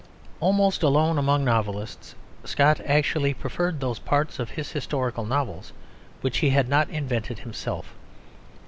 Almost alone among novelists Scott actually preferred those parts of his historical novels which he had not invented himself.